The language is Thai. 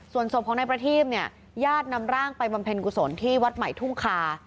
ส่วนศพของนายประทีพเนี่ยญาตินำร่างไปบำเพ็ญกุศลที่วัดใหม่ทุ่งคา